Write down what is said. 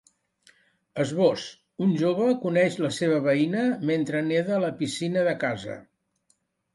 Esbós: Un jove coneix la seva veïna mentre neda a la piscina de casa.